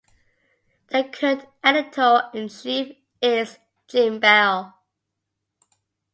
The current editor-in-chief is Jim Bell.